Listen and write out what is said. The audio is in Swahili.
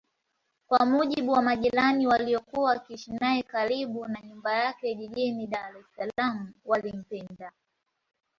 Kwa mujibu wa majirani waliokuwa wakiishi naye karibu na nyumba yake jijini DaresSalaam walimpeda